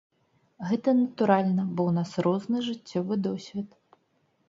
Гэта натуральна, бо ў нас розны жыццёвы досвед.